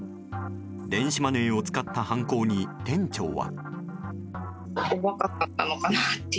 電子マネーを使った犯行に店長は。